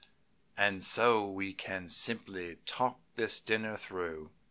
And so we can simply talk this dinner through.